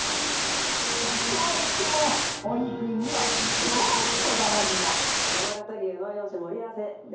とはいってもお肉には超こだわりが。